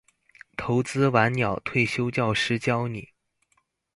投資晚鳥退休教師教你